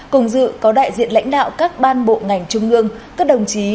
cùng dự có đại diện lãnh đạo các ban bộ ngành trung ương các đồng chí